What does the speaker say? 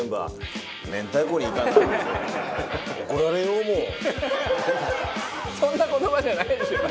そんな言葉じゃないでしょ。